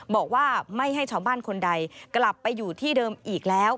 บอกว่าไม่ให้ชาวบ้านคนใดกลับไปอยู่ที่เดิมอีกแล้ว